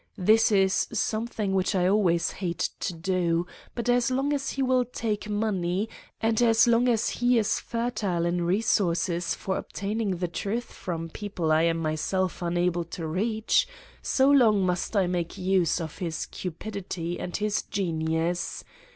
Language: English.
This is something which I always hate to do, but as long as he will take money, and as long as he is fertile in resources for obtaining the truth from people I am myself unable to reach, so long must I make use of his cupidity and his genius.